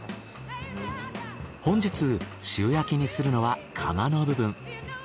本日塩焼きにするのはカマの部分。